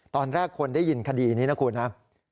ตอนแรกคนได้ยินคดีนี้นะครับ